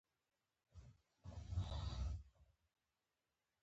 ملي یووالی څه ته وایې او څه ګټې لري؟